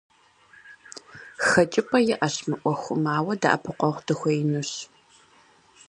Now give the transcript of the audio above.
Хэкӏыпӏэ иӏэщ мы ӏуэхум, ауэ дэӏэпыкъуэгъу дыхуеинущ.